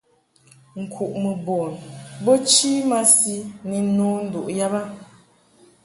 Nkuʼmɨ bun bo chi masi ni nno nduʼ yab a.